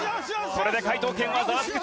これで解答権はザワつく！